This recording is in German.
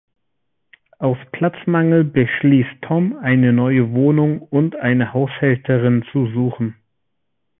Aus Platzmangel beschließt Tom, eine neue Wohnung und eine Haushälterin zu suchen.